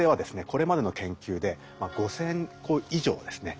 これまでの研究で５，０００個以上ですね